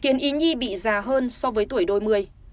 khiến ý nhi bị già hơn so với tuổi đôi mươi